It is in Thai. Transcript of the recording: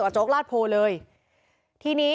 พวกมันต้องกินกันพี่